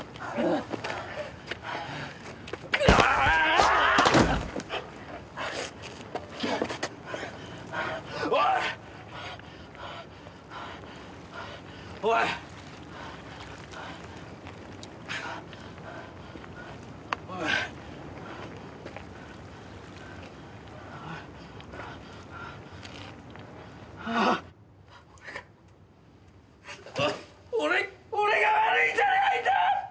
俺が俺俺が悪いんじゃないんだ！